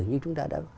như chúng ta đã